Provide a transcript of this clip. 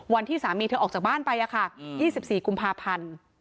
วันที่สามีเธอออกจากบ้านไป๒๔กุมภาพันธ์